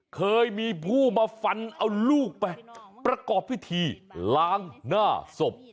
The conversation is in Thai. เคยมีผู้มาฟันเอาลูกไปประกอบพิธีล้างหน้าศพ